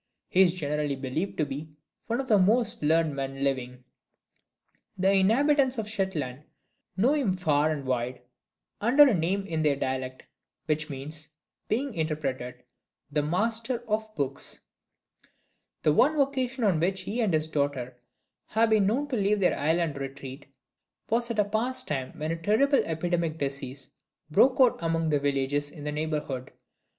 He is generally believed to be one of the most learned men living. The inhabitants of Shetland know him far and wide, under a name in their dialect which means, being interpreted, "The Master of Books." The one occasion on which he and his daughter have been known to leave their island retreat was at a past time when a terrible epidemic disease broke out among the villages in the neighborhood.